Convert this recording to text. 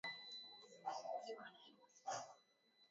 mada hii inawasilishwa na mtangazaji kwenye kipindi